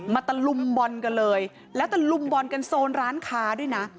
ตะลุมบอลกันเลยแล้วตะลุมบอลกันโซนร้านค้าด้วยนะ